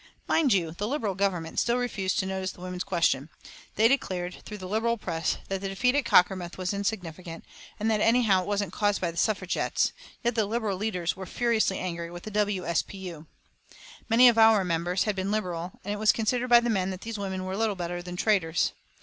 Mind you, the Liberal Government still refused to notice the women's question; they declared through the Liberal press that the defeat at Cockermouth was insignificant, and that anyhow it wasn't caused by the Suffragettes; yet the Liberal leaders were furiously angry with the W. S. P. U. Many of our members had been Liberals, and it was considered by the men that these women were little better than traitors.